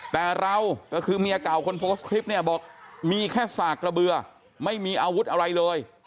แต่เราก็คือเมียเก่าคนโพสต์คลิปเนี่ยบอกมีแค่สากระเบือไม่มีอาวุธอะไรเลย